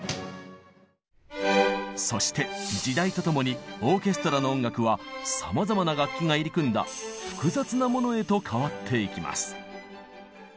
そして時代と共にオーケストラの音楽はさまざまな楽器が入り組んだ複雑なものへと変わっていきます。